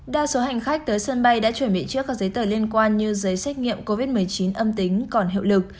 đa số hành khách tới sân bay đã chuẩn bị trước các giấy tờ liên quan như giấy xét nghiệm covid một mươi chín âm tính còn hiệu lực